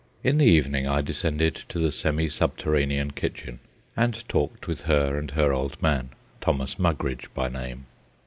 In the evening I descended to the semi subterranean kitchen, and talked with her and her old man, Thomas Mugridge by name.